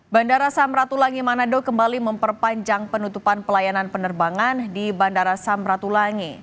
bandara samratulangi manado kembali memperpanjang penutupan pelayanan penerbangan di bandara samratulangi